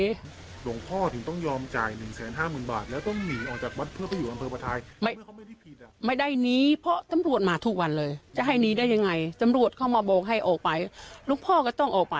โดยก่อนต้องยอมจ่ายหนึ่งแสนห้าหมื่นบาทแล้วมีอากาศเจอกรมาไทยไม่ได้นี้เพราะตำรวจมาทุกวันเลยจะให้นี้ได้ยังไงตำรวจเขามาบอกให้ออกไปลูกพ่อก็ต้อง